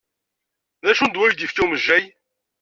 D acu n ddwa i k-d-ifka umejjay?